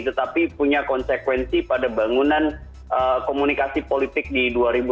tetapi punya konsekuensi pada bangunan komunikasi politik di dua ribu dua puluh